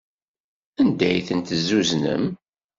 Anda ay tent-tezzuznem?